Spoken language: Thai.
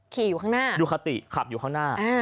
อยู่ข้างหน้าดูคาติขับอยู่ข้างหน้า